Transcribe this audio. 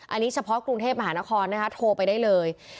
อันนี้เฉพาะกรุงเทพมหานครนะคะโทรไปได้เลย